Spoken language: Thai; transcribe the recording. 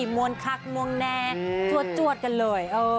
มวลคักมวลแน่จวดกันเลย